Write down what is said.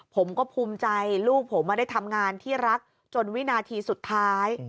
ผมก็ภูมิใจลูกผมได้ทำงานที่รักจนวินาทีสุดท้าย